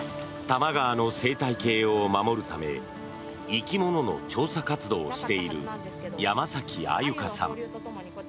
多摩川の生態系を守るため生き物の調査活動をしている山崎愛柚香さん。